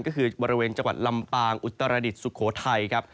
ก็คือบริเวณจังหวัดลำปางอุตรดิษฐสุโขทัยครับ